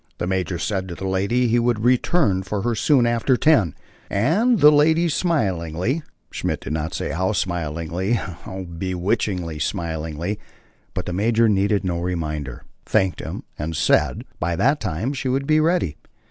The major said to the lady he would return for her soon after ten, and the lady smilingly (Schmidt did not say how smilingly, how bewitchingly smilingly, but the major needed no reminder) thanked him, and said, by that time she would be ready.